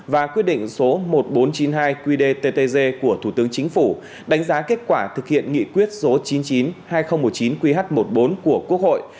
và quyết định số một nghìn bốn trăm chín mươi hai qdttg của thủ tướng chính phủ đánh giá kết quả thực hiện nghị quyết số chín mươi chín hai nghìn một mươi chín qh một mươi bốn của quốc hội